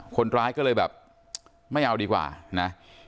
คนร้ายก็เลยแบบไม่เอาดีกว่านะ